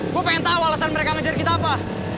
gua pengen tau alasan mereka ngajarin kita apa